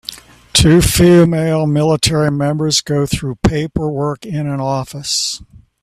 Two female military members go through paperwork in an office